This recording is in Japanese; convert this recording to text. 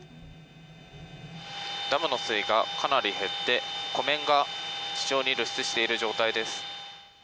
ダムの水位がかなり減って、湖面が地上に露出している状態です。